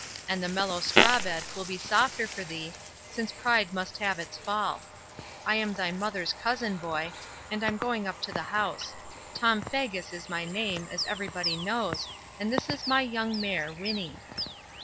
And the mellow strawbed will be softer for thee, since pride must have its fall. I am thy mother's cousin, boy, and I'm going up to the house. Tom Faggus is my name, as everybody knows, and this is my young mare, Winnie."